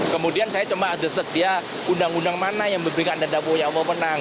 kemudian saya cuma deset dia undang undang mana yang memberikan danda punya wpenang